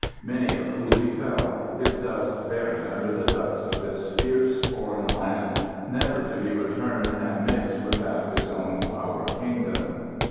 Many a coolie fell, his dust buried under the dust of this fierce foreign land, never to be returned and mixed with that of his own Flowery Kingdom.